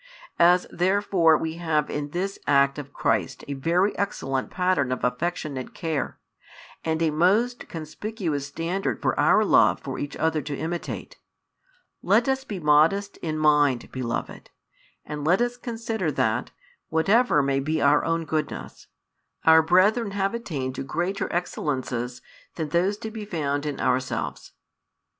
As therefore we have in this act of Christ a very excellent pattern of affectionate care, and a most conspicuous standard for our love for each other to imitate, let us be modest in mind, beloved, and let us consider that, whatever may be our own goodness, our brethren have attained to greater excellences than those to be found in ourselves.